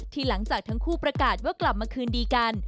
หลังจากทั้งคู่ประกาศว่ากลับมาคืนดีกัน